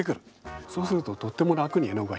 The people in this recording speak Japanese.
そうするととっても楽に絵の具が広がりますので。